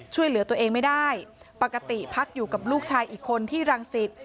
ช่วยเหลือตัวเองไม่ได้ปกติพักอยู่กับลูกชายอีกคนที่รังสิต